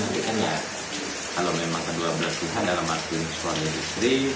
kalau memang kedua berlaku dalam arti suami istri